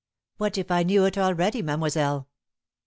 "What if I knew it already, mademoiselle?"